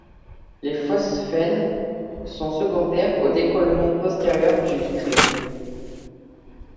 Les phosphènes sont secondaires au décollement postérieur du vitré.